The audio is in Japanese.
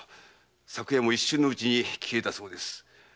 昨夜も一瞬のうちに消えたそうです。